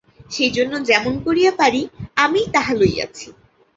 সেইজন্য যেমন করিয়া পারি আমিই তাহা লইয়াছি।